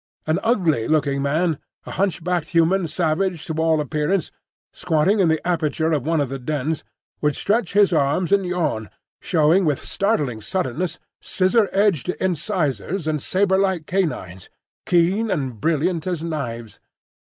An ugly looking man, a hunch backed human savage to all appearance, squatting in the aperture of one of the dens, would stretch his arms and yawn, showing with startling suddenness scissor edged incisors and sabre like canines, keen and brilliant as knives.